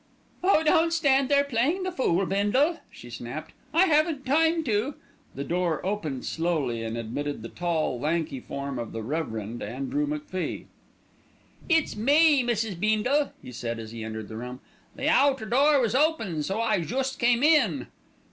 "Oh, don't stand there playing the fool, Bindle!" she snapped. "I haven't time to " The door opened slowly and admitted the tall, lanky form of the Rev. Andrew MacFie. "It's me, Mrs. Beendle," he said, as he entered the room. "The outer door was open, so I joost cam in."